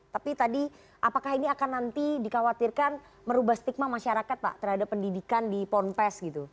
tapi tadi apakah ini akan nanti dikhawatirkan merubah stigma masyarakat pak terhadap pendidikan di ponpes gitu